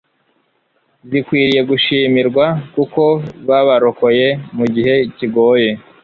zikwiriye gushimirwa kuko babarokoye mu gihe kigoye